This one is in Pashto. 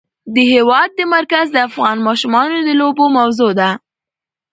د هېواد مرکز د افغان ماشومانو د لوبو موضوع ده.